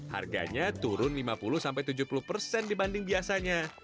harganya turun lima puluh tujuh puluh persen dibanding biasanya